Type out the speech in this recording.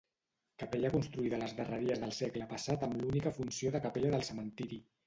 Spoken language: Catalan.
Capella construïda a les darreries del segle passat amb l'única funció de capella del cementiri.